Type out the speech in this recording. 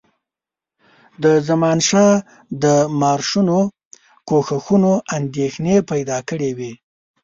د زمانشاه د مارشونو کوښښونو اندېښنې پیدا کړي وې.